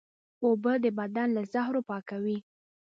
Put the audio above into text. اوبه د بدن له زهرو پاکوي